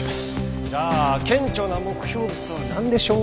じゃあ顕著な目標物は何でしょう？